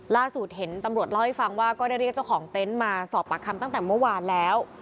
ล่าสุดเห็นตำรวจเล่าให้ฟังว่าก็ได้เรียกเจ้าของเต็นต์มาสอบปากคำตั้งแต่เมื่อวานแล้ว